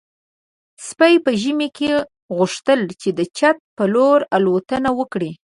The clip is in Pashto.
سپي په ژمي کې غوښتل چې د چت په لور الوتنه وکړي.